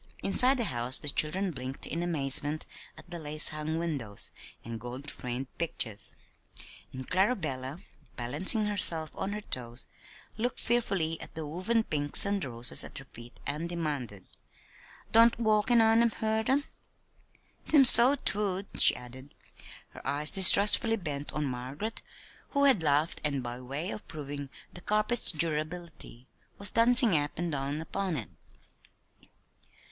Inside the house the children blinked in amazement at the lace hung windows, and gold framed pictures; and Clarabella, balancing herself on her toes, looked fearfully at the woven pinks and roses at her feet and demanded: "Don't walkin' on 'em hurt 'em? "Seems so 'twould," she added, her eyes distrustfully bent on Margaret who had laughed, and by way of proving the carpet's durability, was dancing up and down upon it.